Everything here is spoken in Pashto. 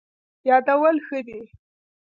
یادول ښه دی.